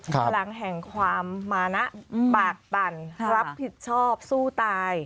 พลังแห่งความมานะปากปั่นรับผิดชอบสู้ตาย